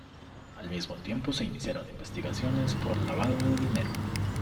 Al mismo tiempo se iniciaron investigaciones por lavado de dinero.